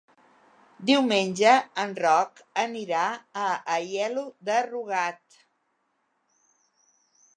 Diumenge en Roc anirà a Aielo de Rugat.